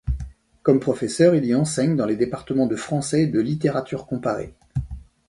Comme professeur, il y enseigne dans les départements de français et de littérature comparée.